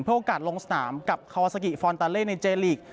โอกาสลงสนามกับคาวาซากิฟอนตาเล่ในเจลีก